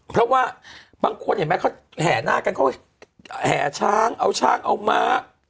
เพราะว่าบางคนเห็นไหมเขาแห่หน้ากันเขาแห่ช้างเอาช้างเอาม้า